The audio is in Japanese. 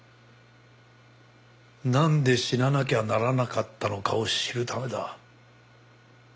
なんで死ななきゃならなかったのかを知るためだ。